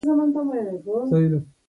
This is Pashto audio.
رقیب زما د فکري ځواک مرسته کوي